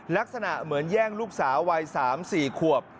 ลักษณะเหมือนแย่งลูกสาววัย๓๔ขวบ